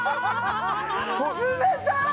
冷たい！